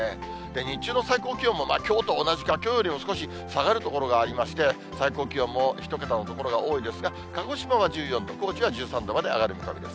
日中の最高気温もきょうと同じか、きょうよりも少し下がる所がありまして、最高気温も１桁の所が多いですが、鹿児島は１４度、高知は１３度まで上がる見込みです。